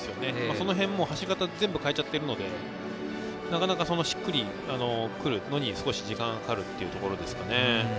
その辺も走り方全部変えちゃっているのでなかなかしっくり来るのに少し時間がかかるところですかね。